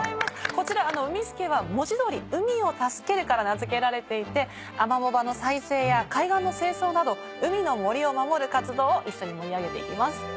こちらうみスケは文字通り「海を助ける」から名付けられていてアマモ場の再生や海岸の清掃など海の森を守る活動を一緒に盛り上げていきます。